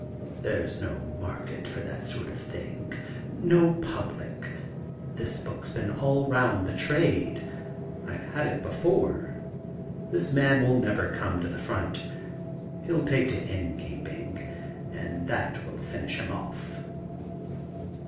"There's no market for that sort of thing, no public; this book's been all round the trade. I've had it before. The man will never come to the front. He'll take to inn keeping, and that will finish him off."